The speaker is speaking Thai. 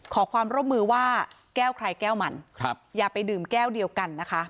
ขอความร่วมมือว่าแก้วใครแก้วมันอย่าไปดื่มแก้วเดียวกันนะคะ